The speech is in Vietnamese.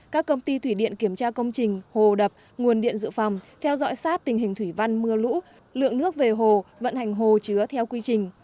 các công ty thủy điện kiểm tra công trình hồ đập nguồn điện dự phòng theo dõi sát tình hình thủy văn mưa lũ lượng nước về hồ vận hành hồ chứa theo quy trình